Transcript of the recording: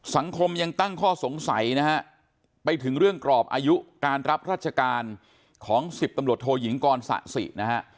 สังคมยังตั้งข้อสงสัยนะฮะไปถึงเรื่องกรอบอายุการรับราชการของ๑๐ตำรวจโทยิงกรสะสินะฮะ